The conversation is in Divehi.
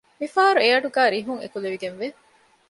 މިފަހަރު އެއަޑުގައި ރިހުން އެކުލެވިގެންވެ